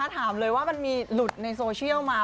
ถามเลยว่ามันมีหลุดในโซเชียลมา